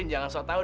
lo jangan sok tau